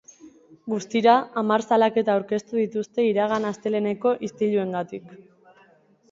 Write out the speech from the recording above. Guztira, hamar salaketa aurkeztu dituzte iragan asteleheneko istiluengatik.